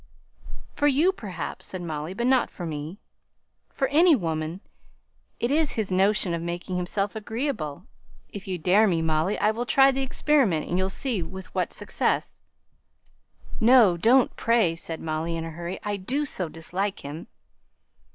"For you, perhaps," said Molly; "but not for me." "For any woman. It's his notion of making himself agreeable. If you dare me, Molly, I'll try the experiment, and you'll see with what success." "No, don't, pray!" said Molly, in a hurry. "I do so dislike him!"